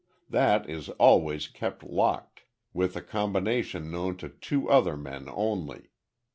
That is always kept locked, with a combination known to two other men only.